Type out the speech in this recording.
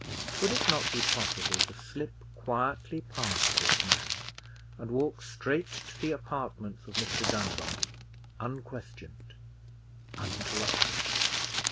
Would it not be possible to slip quietly past this man, and walk straight to the apartments of Mr. Dunbar, unquestioned, uninterrupted?